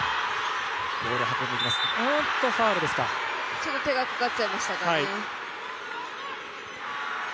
ちょっと手がかかっちゃいましたかね。